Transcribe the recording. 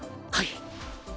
はい。